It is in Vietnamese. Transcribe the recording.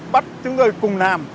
bắt chúng tôi cùng làm